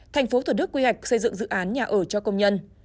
thành phố thủ đức quy hoạch xây dựng dự án nhà ở cho công nhân